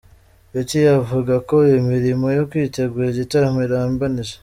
Betty avuga ko imirimo yo kwitegura igitaramo irimbanije.